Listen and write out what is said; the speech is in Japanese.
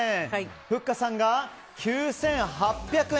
ふっかさんが９８００円。